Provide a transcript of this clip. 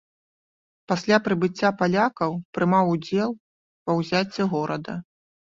Пасля прыбыцця палякаў прымаў удзел ва ўзяцці горада.